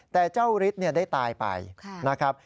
แต่เจ้าฤทธิ์ได้ตายไปนะครับ